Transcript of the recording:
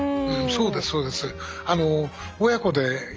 そうですそうです。